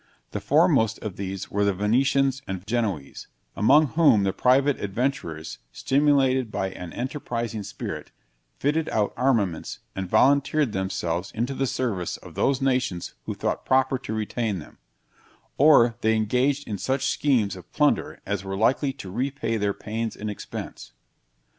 The foremost of these were the Venetians and Genoese, among whom the private adventurers, stimulated by an enterprising spirit, fitted out armaments, and volunteered themselves into the service of those nations who thought proper to retain them; or they engaged in such schemes of plunder as were likely to repay their pains and expense.